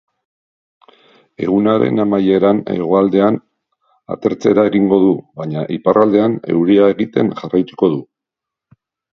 Egunaren amaieran hegoaldean atertzera egingo du, baina iparraldean euria egiten jarraituko du.